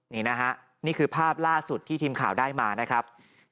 นี่นะฮะนี่คือภาพล่าสุดที่ทีมข่าวได้มานะครับ